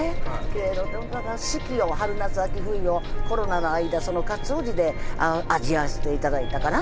四季を春夏秋冬をコロナの間その勝尾寺で味わわせていただいたかな。